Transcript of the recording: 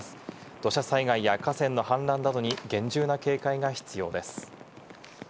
土砂災害や河川の氾濫などに厳重な警戒が必要です。